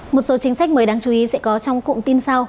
một số chính sách mới đáng chú ý sẽ có trong cụm tin sau